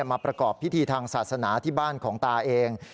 มาประกอบพิธีทางศาสนาที่บ้านของตาเอง